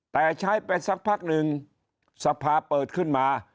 แต่ใช้ไปสักพักหนึ่งสภาเปิดขึ้นมา